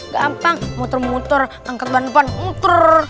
gampang muter muter angkat ban depan muter